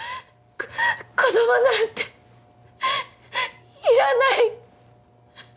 子供なんていらない！